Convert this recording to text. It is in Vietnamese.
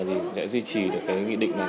để duy trì được cái nghị định này